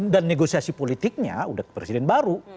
dan negosiasi politiknya sudah ke presiden baru